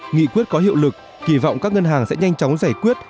nghị quyết có hiệu lực kỳ vọng các ngân hàng sẽ nhanh chóng giải quyết